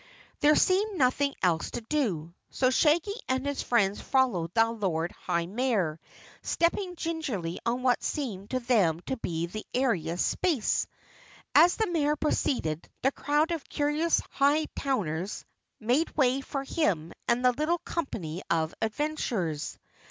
There seemed nothing else to do, so Shaggy and his friends followed the Lord High Mayor, stepping gingerly on what seemed to them to be the airiest space. As the Mayor proceeded, the crowd of curious Hightowners made way for him and the little company of adventurers.